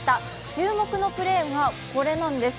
注目のプレーはこれなんです。